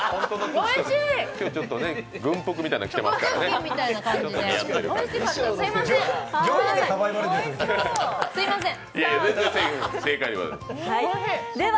今日はちょっと軍服みたいなの着てますから似合うかも。